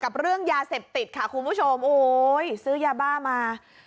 เรื่องยาเสพติดค่ะคุณผู้ชมโอ้ยซื้อยาบ้ามา